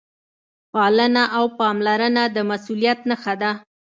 پالنه او پاملرنه د مسؤلیت نښه ده.